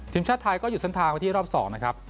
ทีมชาติไทยก็หยุดเส้นทางไว้ที่รอบ๒นะครับ